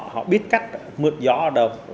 họ biết cách mượt gió ở đâu